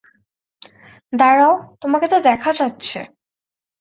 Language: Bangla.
দাঁড়াও, তোমাকে তো দেখা যাচ্ছে।